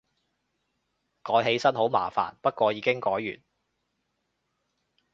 改起身好麻煩，不過已經改完